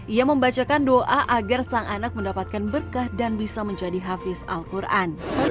ia membacakan doa agar sang anak mendapatkan berkah dan bisa menjadi hafiz al quran